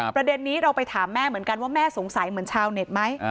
ประเด็นนี้เราไปถามแม่เหมือนกันว่าแม่สงสัยเหมือนชาวเน็ตไหม